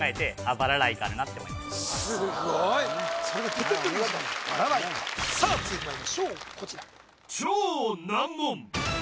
バラライカさあ続いてまいりましょうこちら